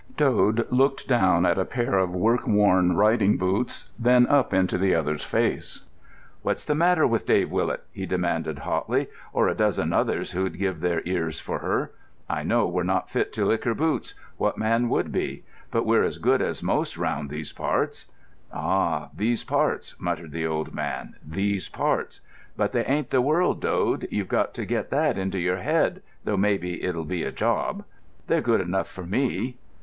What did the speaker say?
Dode looked down at a pair of work worn riding boots, then up into the other's face. "What's the matter with Dave Willet?" he demanded hotly, "or a dozen others who'd give their ears for her? I know we're not fit to lick her boots; what man would be? but we're as good as most round these parts." "Ah, these parts," muttered the old man, "these parts. But they ain't the world, Dode. You've got to get that into your head, though maybe it'll be a job." "They're good enough for me."